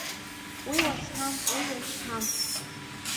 Уи уашьҭан, уи уашьҭан!